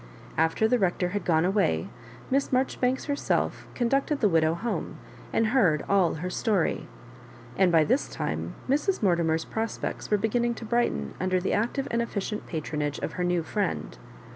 After the Rec tor had gone away. Miss Marjoribanks herself con ducted the widow home, and heard all her story ; and by this time Mrs. Mortimer's prospects were beginning to brighten under the active and effi cient patronage of her new friend.